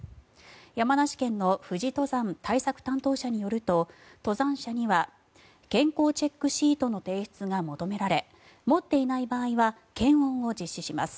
山梨県の富士登山対策担当者によると登山者には健康チェックシートの提出が求められ持っていない場合は検温を実施します。